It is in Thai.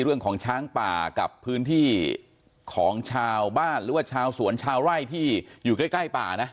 เรื่องของช้างป่ากับพื้นที่ของชาวบ้านหรือว่าชาวสวนชาวไร่ที่อยู่ใกล้ป่านะ